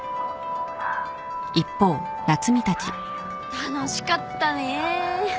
楽しかったね！